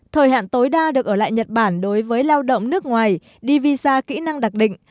thời hạn tối đa được ở lại nhật bản đối với lao động nước ngoài đi visa kỹ năng đặc định